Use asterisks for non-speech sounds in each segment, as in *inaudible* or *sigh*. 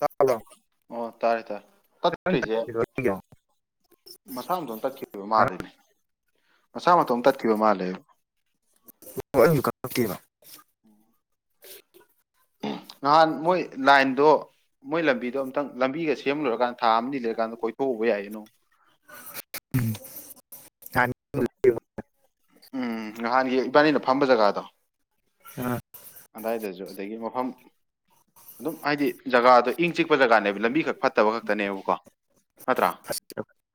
ꯇꯥꯕ꯭ꯔꯣ ꯑꯣ ꯇꯥꯔꯦ ꯇꯔ ꯅꯪ ꯇꯠꯈ꯭ꯔꯤꯁꯦ ꯆꯠꯈꯤꯗꯣ ꯅꯪꯒꯤꯗꯣ ꯃꯁꯥ ꯃꯇꯊꯣꯝ ꯇꯠꯈꯤꯕ ꯑꯅꯧꯕ ꯃꯥꯜꯂꯤꯅꯦ ꯃꯁꯥ ꯃꯇꯣꯝ ꯇꯠꯈꯤꯕ ꯃꯥꯜꯂꯦꯕ ꯑꯣꯀꯦꯕ ꯎꯝ ꯅꯍꯥꯟ ꯃꯣꯏ ꯂꯥꯏꯟꯗꯣ ꯃꯣꯏ ꯂꯝꯕꯤꯗꯣ ꯑꯝꯇꯪ ꯂꯝꯕꯤꯒ ꯁꯦꯝꯂꯨꯔꯀꯥꯟꯗ ꯊꯥꯝ ꯂꯩꯀꯗ ꯀꯣꯏ ꯊꯣꯕ ꯌꯥꯅꯣ ꯎꯝ ꯨꯝ ꯎꯝ ꯅꯍꯥꯟꯒꯤ ꯏꯕꯥꯅꯤꯅ ꯐꯝꯕ ꯖꯒꯥꯗꯣ ꯑ ꯑꯗꯥꯏꯗꯁꯨ ꯑꯗꯒꯤ ꯃꯐꯝ ꯑꯗꯨꯝ ꯍꯥꯏꯗꯤ ꯖꯒꯥꯗꯣ ꯏꯪ ꯆꯤꯛꯄ ꯖꯒꯥꯅꯦꯕ ꯂꯝꯕꯤ ꯈꯛ ꯐꯠꯇꯕ ꯈꯛꯇꯅꯦꯕꯀꯣ ꯅꯠꯇ꯭ꯔꯥ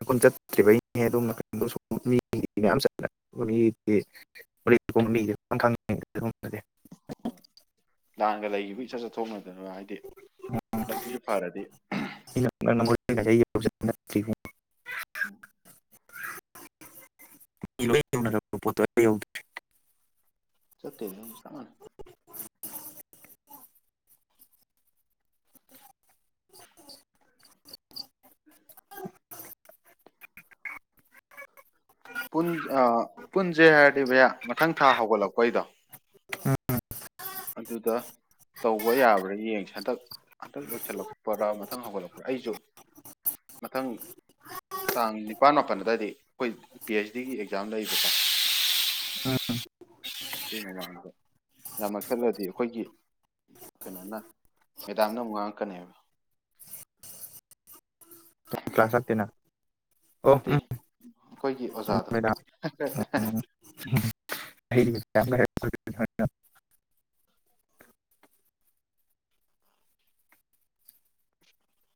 ꯀꯟ ꯆꯠꯇ꯭ꯔꯤꯕꯩꯅꯦ ꯑꯗꯨꯝꯅ *inaudible* ꯂꯥꯟꯂꯒ ꯂꯩꯈꯤꯕ ꯏꯆꯠ ꯆꯠꯊꯣꯛꯅꯗꯅ ꯍꯥꯏꯗꯤ ꯑꯃꯤꯁꯨ ꯐꯥꯔꯗ ꯑꯩꯅ *inaudible* ꯎꯝ *inaudible* ꯆꯠꯇꯦ ꯍꯦ ꯆꯞ ꯃꯥꯟꯅꯩ *inaudible* ꯄꯨꯟ ꯄꯨꯟꯁꯖꯦ ꯍꯥꯏꯔꯗꯤ ꯚꯌꯥ ꯃꯊꯪ ꯊꯥ ꯍꯧꯒꯠꯂꯛꯄꯩꯗꯣ ꯑꯗꯨꯗ ꯇꯧꯕ ꯌꯥꯕ꯭ꯔꯥ ꯌꯦꯡꯁꯦ ꯍꯟꯗꯛ ꯍꯟꯗꯛ ꯂꯣꯏꯁꯤꯜꯂꯛꯄ꯭ꯔꯥ ꯃꯊꯪ ꯍꯧꯒꯠꯂꯛꯄ꯭ꯔꯥ ꯑꯩꯁꯨ ꯃꯊꯪ ꯇꯥꯡ ꯅꯤꯄꯥꯜ ꯃꯥꯄꯜ ꯑꯗꯨꯋꯥꯏꯗ ꯑꯩꯈꯣꯏ ꯄꯤ ꯑꯩꯩꯆ ꯗꯤꯒꯤ ꯑꯦꯛꯖꯥꯝ ꯂꯩꯕꯀꯣ ꯎꯝ ꯁꯤ ꯃꯦꯗꯥꯝꯗ ꯌꯥꯝꯅ ꯈꯜꯂꯗꯤ ꯑꯩꯈꯣꯏꯒꯤ ꯀꯩꯅꯣꯅ ꯃꯦꯗꯥꯝꯅ ꯑꯃꯨꯛ ꯉꯥꯡꯉꯛꯀꯅꯦꯕ ꯀ꯭ꯂꯥꯁ ꯍꯥꯞꯇꯦꯅ ꯑꯣ ꯅꯠꯇꯦ ꯎꯝ ꯑꯩꯈꯣꯏꯒꯤ ꯑꯣ ꯑꯣꯖꯥꯗꯣ ꯃꯦꯗꯥꯝ ꯎ *inaudible*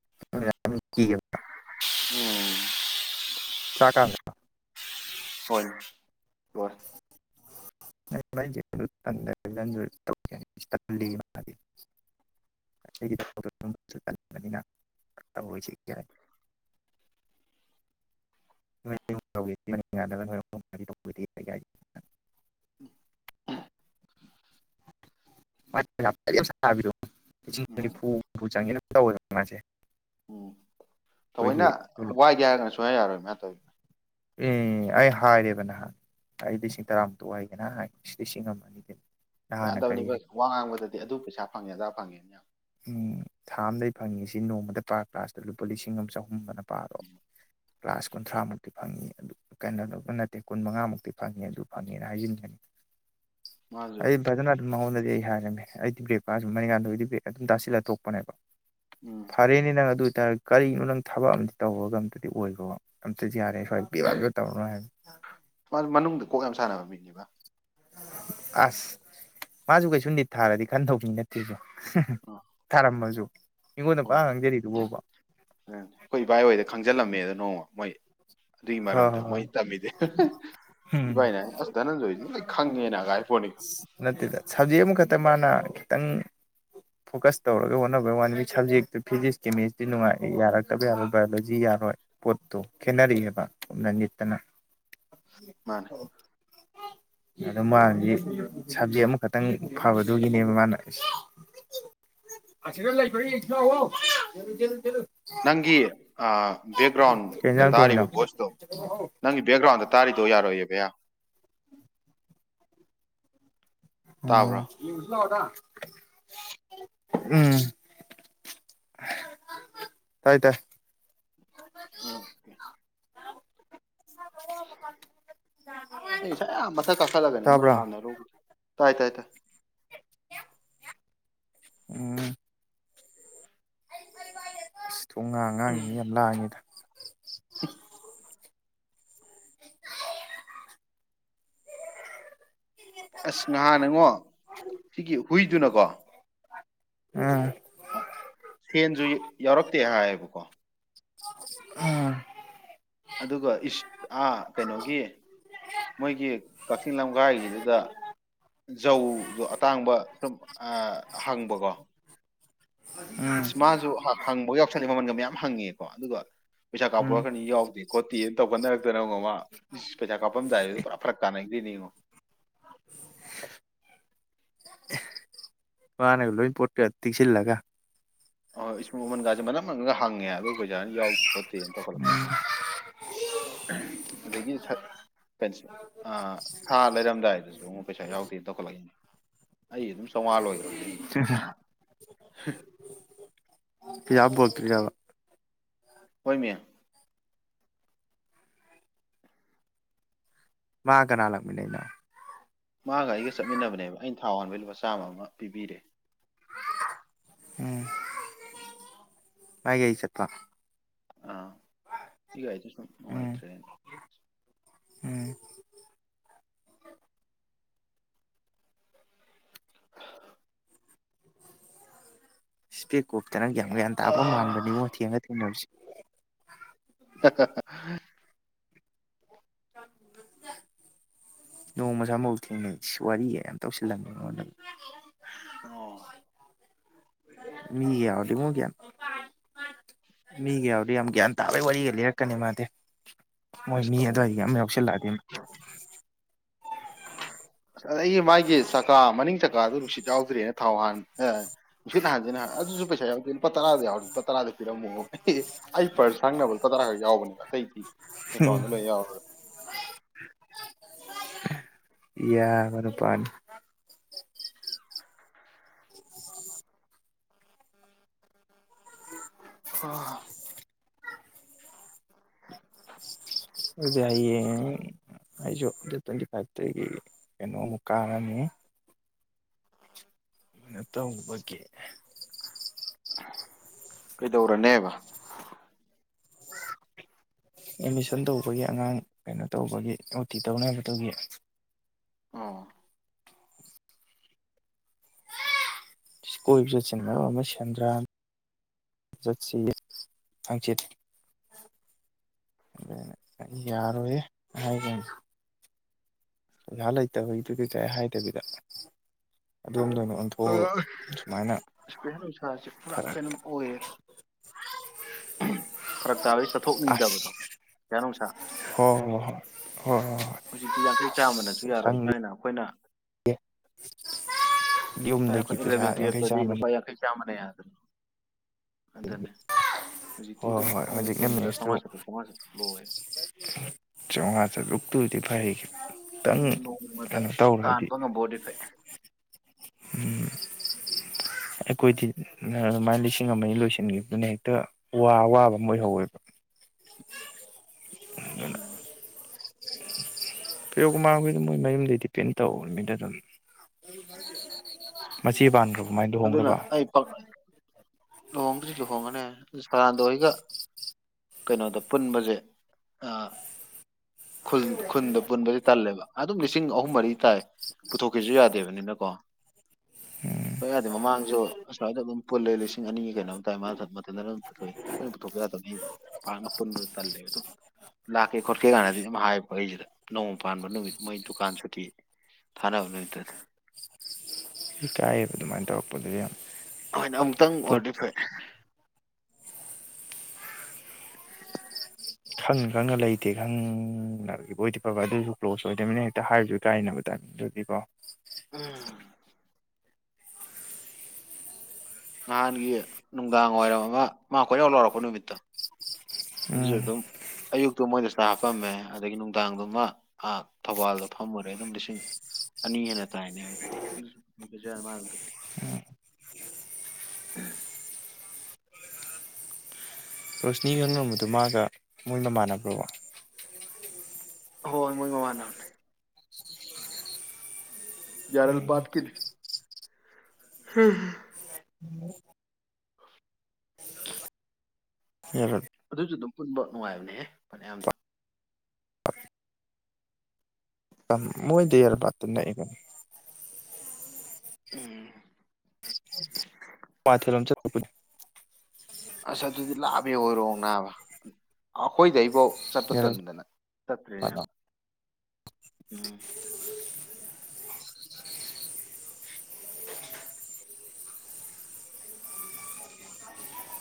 *inaudible* ꯎꯝ ꯆꯥꯛꯀꯥ ꯍꯣꯏ ꯍꯣꯏ ꯃꯥꯕꯅꯤꯅ ꯇꯧꯔꯣꯏꯁ *inaudible* *unintelligible* ꯕꯤꯔꯣ ꯎꯝ ꯂꯤꯁꯤꯡꯅꯤꯐꯨ ꯍꯨꯝꯐꯨ ꯆꯪꯉꯦꯅ ꯇꯧꯗ ꯃꯥꯁꯦ ꯎꯝ ꯑꯩꯈꯣꯏꯒꯤ ꯊꯑꯣꯏꯅ ꯇꯣꯂꯣꯞ ꯋꯥꯏꯒꯦ ꯍꯥꯏꯔꯒꯅ ꯁꯨꯡꯌꯥ ꯌꯥꯔꯣꯏꯅ ꯃꯅꯥ ꯇꯧꯔꯤꯕ ꯎꯝ ꯑꯩ ꯍꯥꯏꯔꯦꯕ ꯅꯍꯥꯟ ꯑꯩ ꯂꯤꯁꯤꯡ ꯇꯔꯥꯃꯨꯛꯇꯛ ꯑꯣꯏꯒꯦꯅꯍ ꯍꯥꯏ ꯂꯤꯁꯤꯡ ꯑꯃ ꯑꯅꯤꯗꯅꯤ ꯌꯥ ꯇꯕꯅꯤꯕ ꯋꯥꯉ ꯑꯗꯨꯗꯗꯤ ꯑꯗꯨ ꯄꯩꯁꯥ ꯐꯪꯉꯦ ꯑꯗꯥ ꯐꯪꯉꯦꯅꯥ ꯌꯥꯝ ꯎꯝ ꯊꯥ ꯑꯝꯗꯩ ꯐꯪꯉꯤꯁꯤ ꯅꯣꯡꯃꯗ ꯄꯥꯔ ꯀ꯭ꯂꯥꯁꯇ ꯂꯨꯄꯥ ꯂꯤꯁꯤꯡ ꯑꯃ ꯆꯍꯨꯝꯅ ꯄꯥꯔꯣ ꯀ꯭ꯂꯥꯁ ꯀꯨꯟꯊ꯭ꯔꯥ ꯃꯨꯛꯇꯤ ꯐꯪꯏꯤ ꯑꯗꯨ ꯀꯩꯅꯣꯗꯧꯕ ꯅꯠꯇꯦ ꯀꯨꯟ ꯃꯉꯥꯃꯨꯛꯇꯤ ꯐꯪꯉꯤ ꯑꯗꯨ ꯐꯪꯉꯦꯅ ꯍꯥꯏꯖꯤꯟꯒꯅꯤ ꯃꯥꯁꯨ ꯑꯩ ꯐꯖꯅꯥ ꯑꯗꯨꯝ ꯃꯎꯟꯗꯗꯤ ꯍꯥꯏꯔ ꯑꯩꯗꯤꯕ꯭ꯔꯦꯞ ꯁꯨꯝ ꯃꯔꯤꯀꯥꯟꯗꯗꯤ ꯕ *unintelligible* ꯑꯗꯨꯝ ꯇꯥꯁꯤꯜꯂ ꯇꯣꯛꯄꯅꯦꯕ ꯎꯝ ꯐꯔꯦꯅꯦ ꯅꯪ ꯑꯗꯨ ꯑꯣꯏꯇꯥꯔ ꯀꯔꯤꯒꯤꯅꯣ ꯅꯪ ꯊꯕꯛ ꯑꯝ ꯇꯧꯕꯔꯒ ꯑꯝꯇꯗꯤ ꯑꯣꯏꯈꯣ ꯑꯝꯇꯗꯤ ꯌꯥꯔꯦ ꯁ꯭ꯋꯥꯏ ꯄꯤꯔꯕ ꯇꯧꯔꯅꯨ ꯍꯥꯏꯕ ꯃꯥꯁꯨ ꯃꯅꯨꯡꯗ ꯀꯣꯛ ꯌꯥꯝ ꯁꯥꯟꯅꯕ ꯃꯤꯅꯦꯕ ꯑꯁ ꯃꯥꯁꯨ ꯀꯩꯁꯨꯨꯝ ꯅꯤꯠ ꯊꯥꯔꯗꯤ ꯈꯟ ꯊꯧꯕ ꯃꯤ ꯅꯠꯇꯦꯕꯥ ꯑ ꯇꯥꯔꯝꯃꯁꯨ ꯍꯣꯏ ꯎꯝ ꯑꯩꯈꯣꯏ ꯏꯚꯥꯏ ꯑꯣꯏꯗ ꯈꯪ ꯏꯁꯤꯜꯂꯝꯃꯦꯗ ꯅꯣꯡꯃ ꯃꯣꯏ ꯑꯗꯨꯏ ꯍꯣꯏ ꯃꯔꯝꯗ ꯍꯣꯏ ꯃꯣꯏ ꯍꯣꯏ ꯇꯝꯃꯤꯗꯤ ꯎꯝ ꯏꯚꯏꯅ ꯍꯥꯏꯅ‌ꯦ ꯑꯁ ꯙꯅꯟꯖꯣꯏꯗꯤ ꯂꯣꯏ ꯈꯪꯉꯦꯅ ꯑꯒ ꯍꯥꯏꯔꯤ‌ꯄꫭꯠꯅꯤꯀꫭ ꯇꯪ ꯐꯣꯀꯁ ꯇꯧꯔꯒ ꯍꯣꯠꯅꯕ ꯋꯥꯟ ꯃꯤ ꯁꯕꯖꯦꯛꯇꯨ ꯐꯤꯖꯤꯛꯁ ꯀꯦꯃꯤꯁꯇ꯭ꯔꯤ ꯅꯨꯡꯉꯥꯏꯦ ꯌꯥꯔꯛꯇꯕ ꯌꯥꯔꯣꯏ ꯕꯥꯏꯑꯣꯂꯣꯖꯤ ꯌꯥꯔꯣꯏ ꯄꯣꯠꯇꯣ ꯈꯦꯠꯅꯔꯛꯑꯦꯕ ꯅꯪꯒꯤꯠꯇꯅ ꯃꯥꯅꯦ ꯑ ꯃꯥꯁꯤ ꯁꯕꯖꯦꯛ ꯑꯃꯈꯛꯇꯪ ꯐꯕꯗꯨꯒꯤꯅꯦꯕ ꯃꯥꯅ ꯑꯁꯤꯗ ꯂꯩꯕꯔꯥ ꯌ‌ꯦꯡꯖꯤ‌ ꯂꯛꯑꫭ ꯅꯪꯒꯤ ꯑꯥ ꯕꯦꯛꯒ꯭ꯔꯥꯎꯟ ꯀꯩ ꯗ ꯌꯦꯟꯖꯥꯡ ꯇꯥꯔꯤꯕ ꯊꯣꯡꯉꯤꯅꯣ ꯚꯣꯏꯁꯇꯣ ꯅꯪꯒꯤ ꯕꯦꯛꯒ꯭ꯔꯥꯎꯟꯗ ꯇꯥꯔꯤꯗꯣ ꯕꯣꯏꯁ ꯇꯣ ꯌꯥꯔꯣꯏꯌꯦ ꯕꯌꯥ ꯇꯥꯕ꯭ꯔꯥ ꯂ *unintelligible* ꯎꯝ ꯇꯥꯏ ꯇꯥꯏ ꯑꯀꯦ ꯑꯩ ꯉꯁꯥꯏ ꯌꯥꯝ ꯃꯊꯛ ꯀꯥꯈꯠꯂꯒꯅꯤ ꯑꯃ ꯇꯥꯕ꯭ꯔꯥ ꯁꯥꯟꯅꯔꯨꯕꯗꫭ ꯇꯥꯏ ꯇꯥꯏ ꯇꯥꯏ ꯎꯝ ꯑꯁ ꯊꯣꯡ ꯉꯥꯡ ꯉꯥꯡꯖꯤꯡ ꯁꯤ ꯌꯥꯝ ꯂꯥꯡꯉꯤꯗ *inaudible* ꯑꯁ ꯉꯍꯥꯟꯅꯉꯣ ꯁꯤꯒꯤ ꯍꯨꯏꯗꯨꯅꯀꯣ ꯎꯝ ꯐ‌ꯦꯟꯁꯨ ꯌꯥꯎꯔꯛꯇꯦ ꯍꯥꯏꯌꯦꯕꯀꯣ꯫ ꯎꯝ꯫ ꯑꯗꯨꯒ ꯏꯁ ꯑꯥ ꯀꯩꯅꯣꯒꯤ ꯃꯣꯏꯒꯤ ꯀꯛꯆꯤꯡ ꯂꯝꯒꯥꯏꯒꯤꯗꯨꯗ ꯖꯧꯗꯣ ꯑꯇꯥꯡꯕ ꯁꯨꯝ ꯍꯪꯕꯀꯣ꯫ ꯎꯝ ꯏꯁ ꯃꯥꯖꯨ ꯍꯪꯕ ꯌꯥꯎꯁꯥꯜ ꯃꯃꯥꯜ ꯃꯌꯥꯝ ꯍꯪꯉꯦꯀꯣ ꯑꯗꯨꯒ꯫ ꯄꯩꯁꯥ ꯀꯥꯞꯄꯨ ꯎꯝ ꯍꯥꯢꯔꯛꯀꯟꯗ ꯌꯥꯎꯗꯦ ꯈꯣꯇꯤꯌꯦ꯫ ꯇꯧꯕꯅ *unintelligible* ꯏꯁ ꯄꯩꯁꯥ ꯀꯥꯞꯄꯝꯗꯥꯏꯗ ꯄꯨꯔꯥ ꯐꯔꯛ ꯇꯥꯅꯩ꯫꯫ *unintelligible* ꯃꯥꯅꯒ ꯂꯣꯏ ꯄꯣꯠꯀ ꯇꯛꯁꯤꯜꯂꯒ꯫ *unintelligible* ꯃꯃꯜꯒꯥꯁꯦ ꯃꯅꯥꯝ ꯃꯅꯝꯒ ꯍꯪꯉꯦ ꯑꯗꯨ ꯄꯩꯁꯅ ꯌꯥꯎꯗꯦ ꯈꯣꯠꯇꯦꯅ ꯇꯧꯒꯠꯂꯛꯇꯅ꯫ ꯑꯗꯒꯤ ꯁꯠꯄꯩꯁꯦ ꯁꯥ ꯂꯩꯔꯝꯗꯥꯏꯗꯨꯁꯨ ꯑꯃꯨꯛ ꯄꯩꯁꯥ ꯌꯥꯎꯗꯦ ꯇꯧꯈꯠꯂꯛꯏ꯫ ꯑꯩ ꯑꯗꯨꯝ ꯆꯧꯉꯥ ꯂꯣꯏꯒꯔꯝꯅꯤ꯫ ꯄꯩꯁꯥ ꯄꯨꯔꯛ ꯇꯔ꯭ꯤꯔꯕ꯫ ꯍꯣꯏꯃꯤ꯫ ꯃꯥ ꯀꯅꯥꯂꯥꯛꯃꯤꯟꯅꯩꯅꯣ꯫ ꯃꯥꯒ ꯑꯩꯒ ꯆꯠꯃꯤꯟꯅꯕꯅꯦꯕ ꯑꯩꯅ ꯊꯥꯎ ꯍꯥꯟꯕꯩ ꯂꯨꯄꯥ ꯆꯥꯝꯃ ꯑꯃ ꯄꯤꯕꯤꯔꯦ꯫ ꯎꯝ ꯃꯥꯏ ꯒꯥꯔꯤ ꯆꯠꯄ꯫ ꯑꯥ꯫ ꯑꯩꯒꯤ ꯒꯥꯔꯤꯁꯤ ꯁꯨ ꯎꯝ ꯅꯨꯡꯉꯥꯏꯇ꯭ꯔꯦ꯫ ꯎꯝ꯫ ꯏꯁꯄꯦꯛ ꯀꯨꯞ ꯇ ꯌꯥꯝ ꯒꯌꯥꯟ ꯇꯥꯕ ꯑꯥ ꯃꯥꯟꯕꯅꯤꯉꯣ ꯊꯦꯡꯒ ꯊꯦꯡꯅꯕꯁꯦ꯫ *unintelligible* ꯅꯣꯡꯃ ꯁꯥꯃꯧ ꯊꯦꯡꯅꯩ ꯏꯁ ꯋꯥꯔꯤꯒ ꯌꯥꯝ ꯇꯧꯁꯤꯜꯂꯝꯃꯦ ꯑꯩꯉꯣꯟꯗ꯫ ꯑꯣ꯫ ꯃꯤꯒ ꯌꯥꯎꯗꯤ ꯑꯃꯨꯛ ꯒ꯭ꯌꯥꯟ ꯃꯤꯒ ꯌꯥꯎꯗꯤ ꯌꯥꯝ ꯒ꯭ꯌꯥꯟ ꯇꯥꯕꯩ ꯋꯥꯔꯤꯒ ꯂꯤꯔꯛꯀꯅꯤ ꯃꯥꯗꯤ꯫ ꯃꯣꯏ ꯑꯁ ꯃꯤ ꯇꯧ ꯑꯗꯨꯋꯥꯏ ꯌꯥꯝ ꯌꯥꯎꯁꯜꯂꯛꯑꯗꯤ꯫ ꯑꯁ ꯑꯗꯒꯤ ꯃꯥꯒꯤ ꯆꯀꯥ ꯃꯅꯤꯡ ꯆꯀꯥꯗꯨ ꯅꯨꯡꯁꯤꯠ ꯌꯥꯎꯗ꯭ꯔꯦꯅ ꯊꯥꯎ ꯍꯥꯟ ꯑꯥ ꯅꯨꯡꯁꯤꯠ ꯍꯥꯟꯁꯤꯅ ꯍꯥꯏ ꯑꯗꯨꯁꯨ ꯄꯩꯁꯥ ꯌꯥꯎꯗ꯭ꯔꯦ ꯂꯨꯄꯥ ꯇꯔꯥꯗ ꯌꯥꯎꯔꯗꯤ ꯂꯨꯄꯥ ꯇꯔꯥꯗ ꯄꯤꯔꯝꯃꯣ ꯑꯩ ꯄꯔꯁ ꯁꯪꯅꯕ ꯂꯨꯄꯥ ꯇꯔꯥ ꯈꯛ ꯌꯥꯎꯕꯅꯦꯕ ꯑꯇꯩꯗꯤ꯫ ꯑꯦꯀꯥꯎꯗ ꯂꯣꯏꯅ ꯌꯧꯔꯦ꯫ ꯌꯥꯕ ꯅꯨꯄꯥꯅꯤ꯫ ꯍꯥ꯫ ꯗꯨꯗꯤ ꯍꯌꯦꯡ꯫ ꯑꯩꯁꯨ ꯗꯦꯠ ꯇꯣꯋꯦꯟꯇꯤ ꯐꯥꯏꯚꯇꯒꯤ ꯀꯩꯅꯣꯃꯨꯛ ꯀꯥꯔꯅꯤ꯫ ꯅꯇꯧꯕꯒꯤ꯫ ꯀꯩꯗꯧꯔꯅꯦꯕ ꯑꯦꯠꯃꯤꯁꯟ ꯇꯧꯕꯒꯤ ꯑꯉꯥꯡ ꯀꯩꯅꯣ ꯇꯧꯕꯒꯤ ꯑꯣ ꯇꯤ ꯇꯧꯅꯕ ꯇꯧꯒꯤ ꯑꯣ ꯀꯣꯏꯕ ꯆꯠꯁꯤ ꯃꯔꯣꯟ ꯑꯃ ꯁꯦꯟꯗ꯭ꯔꯥ ꯆꯠꯁꯤꯌꯦ ꯍꯪꯆꯤꯠ ꯑꯗꯨ ꯑꯩꯅ ꯌꯥꯔꯣꯏꯌꯦ ꯍꯥꯏꯈꯤꯕꯅꯦ ꯂꯩꯇꯕꯩꯗꯨꯗꯤ ꯀꯩꯗꯥꯏ ꯍꯥꯏꯗꯕꯤꯗ ꯑꯗꯣꯝꯗ ꯑꯣꯏꯅ ꯑꯣꯟꯊꯣꯛꯑꯒ ꯁꯨꯃꯥꯏꯅ ꯅꯨꯡꯁꯥꯁꯦ ꯄꯨꯔꯥ ꯐꯔꯛ ꯀꯩꯅꯣꯝ ꯑꯣꯏꯌꯦ ꯐꯔꯛ ꯇꯥꯕꯩ ꯑꯁ ꯆꯠꯊꯣꯛꯅꯤꯡꯗꯕꯗꯣ ꯅꯨꯡꯁꯥ ꯍꯣ ꯍꯣ ꯍꯣꯏ ꯍꯣ ꯍꯣ ꯍꯣꯏ ꯍꯧꯖꯤꯛꯇꯤ ꯌꯥꯡꯈꯩ ꯆꯥꯝꯃꯅꯁꯨ ꯍꯣꯏ ꯌꯥꯔꯣꯏ ꯁꯪꯗꯤꯌꯦ ꯊꯥꯏꯅ ꯑꯩꯈꯣꯏꯅ ꯌꯨꯝꯗꯒꯤ ꯄꯩꯁꯥ ꯌꯥꯡꯈꯩ ꯆꯥꯝꯃꯒꯤ ꯆꯥꯃꯥꯅ ꯌꯥꯏꯗꯥ ꯍꯧꯖꯤꯛꯇꯤ ꯍꯣꯏ ꯑꯗꯨꯝ ꯍꯣꯏ ꯑꯃꯨꯛ ꯍꯧꯖꯤꯛꯅ ꯄꯨꯟꯕꯗ ꯃꯦꯁꯇꯨ ꯆꯥꯝꯃꯉꯥ ꯆꯥꯇ꯭ꯔꯨꯛ ꯆꯥꯝꯃꯉꯥ ꯆꯥꯇ꯭ꯔꯨꯛ ꯂꯣꯏ ꯆꯧꯉꯥ ꯆꯇ꯭ꯔꯨꯛꯇ ꯒꯤ ꯐꯥꯔꯤꯒꯤ ꯑꯈꯣꯏꯅ ꯅꯣꯡꯣꯡꯃꯗ ꯇꯥꯟꯕ ꯉꯝꯕ ꯑꯣꯏꯗꯤ ꯐꯩ ꯎꯝ ꯑꯩꯈꯣꯏꯗꯤ ꯑꯗꯨꯃꯥꯏꯅ ꯂꯤꯁꯤꯡ ꯑꯃꯅꯤ ꯂꯣꯏꯁꯤꯟꯈꯤꯕꯗꯨꯅ ꯍꯦꯛꯇ ꯋꯥ ꯋꯥꯕ ꯑꯃ ꯑꯣꯏꯍꯧꯋꯦꯕ ꯎꯝ ꯄꯔꯤꯌꯣꯀꯨꯃꯥꯔ ꯈꯣꯏꯗ ꯃꯣꯏ ꯃꯌꯨꯝꯗꯒꯤ ꯗꯤꯄꯦꯟ ꯇꯧꯔꯤꯃꯤꯗ ꯑꯗꯨꯝ ꯃꯆꯦ ꯄꯥꯟꯈ꯭ꯔꯕꯣ ꯑꯗꯨꯅ ꯑꯩ ꯐꯥꯈꯠ ꯂꯨꯍꯣꯡꯕꯁꯨ ꯂꯨꯍꯣꯡꯑꯅꯤ ꯍꯥꯏꯃꯦ ꯁꯥꯗꯥꯟꯗ ꯍꯣꯏꯒ ꯀꯩꯅꯣꯗ ꯄꯨꯟꯕꯁꯦ ꯈꯨꯟ ꯈꯨꯟꯗ ꯄꯨꯟꯕꯁ ꯇꯜꯂꯦꯕ ꯑꯗꯨꯝ ꯂꯤꯁꯤꯡ ꯑꯍꯨꯝ ꯃꯔꯤ ꯇꯥꯏ ꯄꯨꯊꯣꯛꯀꯦꯁꯨ ꯌꯥꯗꯦꯕꯅꯤꯅꯀꯣ ꯄ ꯌꯥꯗꯦ ꯃꯃꯥꯡꯁꯨ ꯑꯁ꯭ꯋꯥꯏꯗ ꯑꯗꯨꯝ ꯄꯨꯜꯂꯦ ꯂꯤꯁꯤꯡ ꯑꯅꯤꯒꯤ ꯀꯩꯅꯣꯝ ꯇꯥꯏ ꯃꯥꯊ ꯃꯊꯇ ꯑꯗꯨꯝ ꯄꯨꯊꯣꯛꯏ ꯑꯩꯣꯏꯅ ꯄꯨꯊꯣꯛꯄ ꯑꯩ ꯄꯥꯛꯅ ꯄꯨꯟꯕꯗ ꯇꯜꯂꯦꯕ ꯑꯗꯨꯝ ꯂꯥꯛꯀꯦ ꯈꯣꯠꯀꯦ ꯀꯥꯟꯅꯗꯤ ꯑꯗꯨ ꯍꯥꯏꯌꯦ ꯑꯩꯁꯤꯗ ꯅꯣꯡꯃ ꯄꯥꯟꯕ ꯅꯨꯃꯤꯠ ꯃꯣꯏ ꯗꯨꯀꯥꯟ ꯁꯨꯇꯤ ꯊꯥꯅꯕ ꯅꯨꯃꯤꯠꯇꯨꯗ ꯏꯀꯥꯏꯌꯦꯕ ꯑꯗꯨꯃꯥꯏꯅ ꯇꯧꯔꯛꯄꯗꯨꯗꯤ ꯌꯥꯝ ꯍꯣꯏꯅꯦ ꯑꯃꯨꯛꯇꯪ ꯑꯩꯈꯣꯏ ꯑꯣꯏꯔꯗꯤ ꯐꯩ ꯈꯪ ꯈꯪꯉ ꯂꯩꯇꯦ ꯈꯪꯕꯣꯏꯗꯤ ꯐꯕ ꯑꯗꯨꯁꯨ ꯀ꯭ꯂꯣꯖ ꯑꯣꯏꯗꯃꯤꯅ ꯍꯦꯛꯇ ꯍꯥꯏꯔꯁꯨ ꯏꯀꯥꯏꯅꯕ ꯇꯥꯏꯞ ꯑꯗꯨꯗꯨꯒꯤꯀꯣ ꯎꯝ ꯅꯍꯥꯟꯒꯤ ꯅꯨꯡꯗꯥꯡ ꯋꯥꯏꯔꯝ ꯑꯃ ꯃꯥ ꯈꯣꯏꯔꯥꯎ ꯂꯥꯎꯔꯛꯄ ꯅꯨꯃꯤꯠꯇꯣ ꯑꯗꯨꯖꯨ ꯎꯝ ꯑꯗꯨꯝ ꯑꯌꯨꯛꯇꯨ ꯃꯣꯏꯗ ꯆꯥꯛ ꯍꯥꯞꯄꯝꯃꯦ ꯑꯗꯒꯤ ꯅꯨꯡꯗꯥꯡꯗꯨꯃ ꯊꯧꯕꯥꯜꯗ ꯐꯝꯃꯨꯔꯦ ꯑꯗꯨꯝ ꯂꯤꯁꯤꯡ ꯑꯅꯤ ꯍꯦꯟꯅ ꯇꯥꯏꯅꯦꯕ ꯑꯗꯨꯝ ꯔꯣꯁꯅꯤ ꯈꯪꯅꯔꯝꯕꯗꯣ ꯃꯥꯒ ꯃꯣꯏ ꯃꯃꯥꯟꯅꯕ꯭ꯔꯣ ꯍꯣꯏ ꯃꯣꯏ ꯃꯃꯥꯟꯅꯅꯦ ꯌꯥꯔꯦꯜ ꯄꯥꯠꯀꯤꯅꯤ *unintelligible* ꯌꯥꯔꯜ ꯑꯗꯨꯁꯨ ꯑꯗꯨꯝ ꯄꯨꯟꯕ ꯅꯨꯡꯉꯥꯏꯕꯅꯦꯍꯦ ꯐꯥꯅꯌꯥꯝꯅ ꯃꯣꯏꯗꯩ ꯌꯥꯔꯜ ꯄꯥꯠꯇꯣ ꯅꯛꯑꯦ ꯎꯝ *unintelligible* ꯑꯁ ꯑꯗꯨꯗꯤ ꯂꯥꯞꯄꯦ ꯑꯣꯏꯔꯣꯡ ꯅꯥꯕ ꯑꯩꯈꯣꯏꯗꯩꯐꯥꯎ ꯌꯥꯔ ꯆꯠꯄꯇꯟꯗꯅ ꯇꯠꯇ꯭ꯔꯤꯅꯦ ꯎꯝ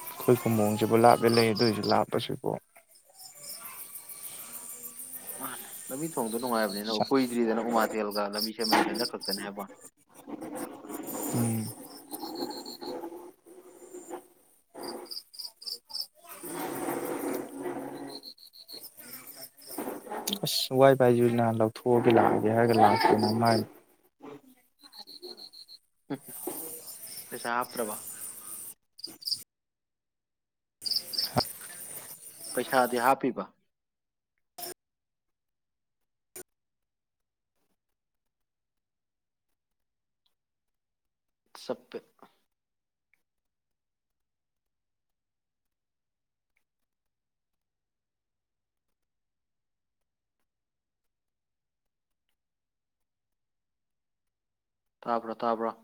ꯑꯩꯈꯣꯏ ꯈꯨꯝꯃꯣꯡꯁꯤꯕꯨ ꯂꯥꯞꯄꯦ ꯂꯩꯔꯤꯅꯦ ꯇꯧꯔꯤꯁꯦ ꯂꯥꯞꯄ꯭ꯔꯣ ꯁꯤꯕꯣ ꯃꯥꯅꯤ ꯂꯝꯕꯤ ꯊꯣꯡꯗꯨꯅ ꯅꯨꯡꯉꯥꯏꯕꯅꯤꯅ ꯀꯨꯏꯗ꯭ꯔꯤꯗꯅ ꯎꯃꯥꯊꯦꯜꯒ ꯂꯝꯕꯤ ꯁꯦꯝꯃꯛꯏꯁꯦ ꯍꯟꯇꯛ ꯈꯛꯇꯅꯤ ꯍꯥꯏꯕ *inaudible* ꯑꯁ ꯋꯥꯏ ꯐꯥꯏ ꯌꯨ ꯅꯍꯥꯟ ꯂꯧꯊꯣꯛꯑꯒꯦ ꯂꯥꯛꯑꯝꯃꯦ ꯍꯥꯏꯔꯒ ꯂꯥꯛꯇ꯭ꯔꯦ ꯅꯃꯥꯏꯃꯠ ꯄꯩꯁꯥ ꯍꯥꯞꯇ꯭ꯔꯕꯥ ꯄꯩꯁꯥꯗꯤ ꯍꯥꯞꯄꯤꯕ ꯆꯞꯄꯩ ꯇꯥꯕ꯭ꯔꯥ ꯇꯥꯕ꯭ꯔꯥ